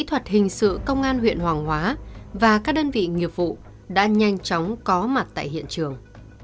kỹ thuật hình sự công an huyện hoàng hóa và các đơn vị nghiệp vụ đã nhanh chóng có mặt tại hiện trường